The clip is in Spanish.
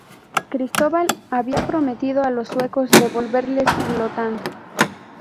Cristóbal había prometido a los suecos devolverles Gotland.